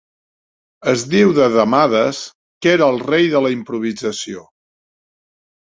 Es diu de Demades que era el rei de la improvisació.